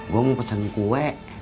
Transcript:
gue mau pesen kue